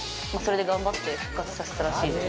頑張って復活させたらしいです。